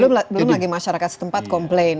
belum lagi masyarakat setempat komplain